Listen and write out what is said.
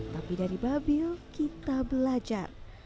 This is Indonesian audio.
tapi dari babil kita belajar